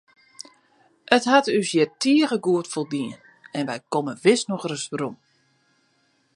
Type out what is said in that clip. It hat ús hjir tige goed foldien en wy komme wis noch ris werom.